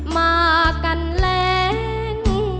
มากันแรง